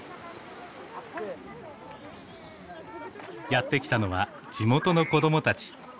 やって来たのは地元の子供たち。